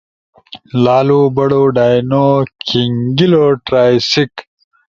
لالو بڑو ڈائنو [کھنگیلو] ٹرائسیک۔